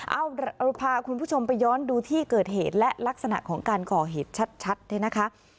เอาเราพาคุณผู้ชมไปย้อนดูที่เกิดเหตุและลักษณะของการก่อเหตุชัดเนี่ยนะคะ